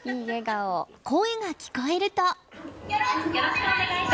声が聞こえると。